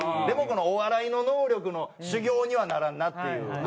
でもこのお笑いの能力の修業にはならんなっていう。